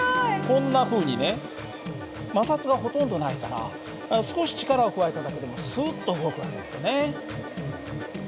こんなふうにね摩擦がほとんどないから少し力を加えただけでもスッと動く訳だよね。